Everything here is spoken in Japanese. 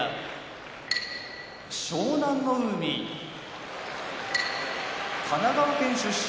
湘南乃海神奈川県出身